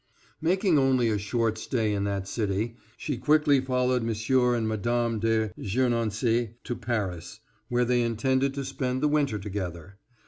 Making only a short stay in that city, she quickly followed M. and Mme. de Gernancé to Paris, where they intended to spend the winter together.